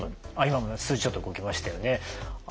今も数字ちょっと動きましたよね。